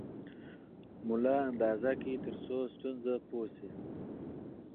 ملا اندازه کړئ ترڅو ستونزه پوه شئ.